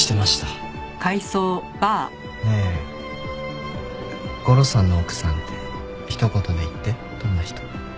ねえゴロさんの奥さんって一言で言ってどんな人？